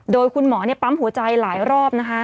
โดยคุณหมอปั๊มหัวใจหลายรอบนะคะ